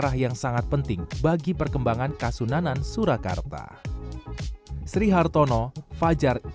arah yang sangat penting bagi perkembangan kasunanan surakarta